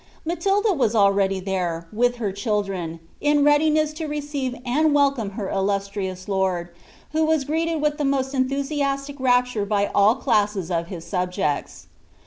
^laiilila was already there, with her children,' in readinesi to receive ■nd wplrome her illustrious lord, who was greeted with the most ejithll ■uatir niptare by all ola<ses of his subjeets.